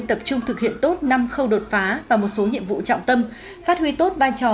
tập trung thực hiện tốt năm khâu đột phá và một số nhiệm vụ trọng tâm phát huy tốt vai trò